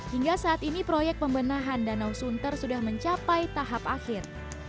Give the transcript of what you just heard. hingga saat ini proyek pembenahan danau sunter sudah mencapai tahap akhir